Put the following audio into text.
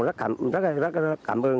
rất cảm rất cảm